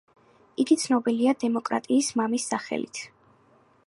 იგი ცნობილია „დემოკრატიის მამის“ სახელით.